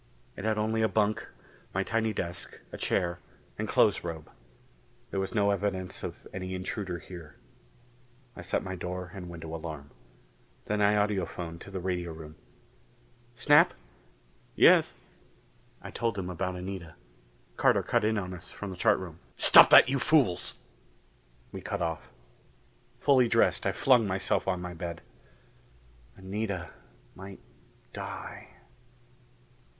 It had only a bunk, my tiny desk, a chair and clothes robe. There was no evidence of any intruder here. I set my door and window alarm. Then I audiphoned to the radio room. "Snap?" "Yes." I told him about Anita. Carter cut in on us from the chart room. "Stop that, you fools!" We cut off. Fully dressed, I flung myself on my bed. Anita might die....